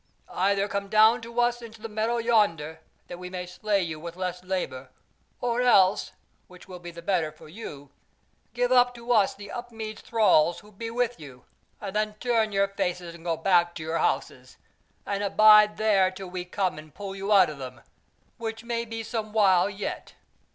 Either come down to us into the meadow yonder, that we may slay you with less labour, or else, which will be the better for you, give up to us the Upmeads thralls who be with you, and then turn your faces and go back to your houses, and abide there till we come and pull you out of them, which may be some while yet.